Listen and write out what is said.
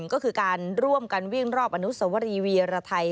ก็คือการร่วมกันวิ่งรอบอนุสวรีเวียรไทย